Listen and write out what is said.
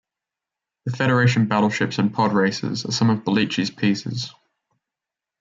The Federation battleships and podracers are some of Belleci's pieces.